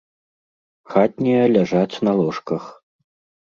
Хатнія ляжаць на ложках.